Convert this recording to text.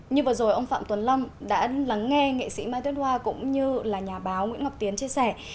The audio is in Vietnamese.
như vừa rồi ông phạm tuấn lâm đã lắng nghe nghệ sĩ mai tuyết hoa cũng như là nhà báo nguyễn ngọc tiến chia sẻ